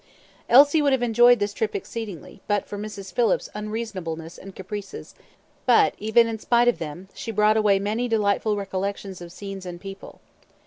Elsie would have enjoyed this trip exceedingly, but for Mrs. Phillips's unreasonableness and caprices; but, even in spite of them, she brought away many delightful recollections of scenes and people.